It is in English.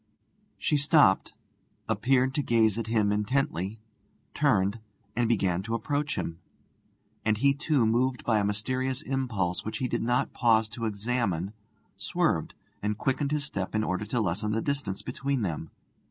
She stopped, appeared to gaze at him intently, turned, and began to approach him. And he too, moved by a mysterious impulse which he did not pause to examine, swerved, and quickened his step in order to lessen the distance between them.